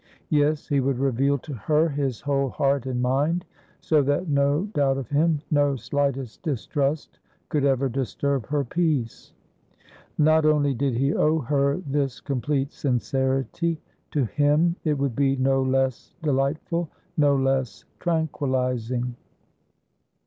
Yes, he would reveal to her his whole heart and mind, so that no doubt of him, no slightest distrust, could ever disturb her peace. Not only did he owe her this complete sincerity; to him it would be no less delightful, no less tranquillising.